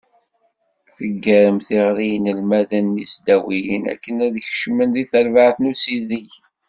Teggarem tiɣri i yinelmaden n tesdawiyin akken ad d-kecmen deg terbaɛt n usideg.